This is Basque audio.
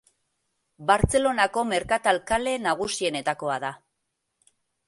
Bartzelonako merkatal kale nagusienetakoa da.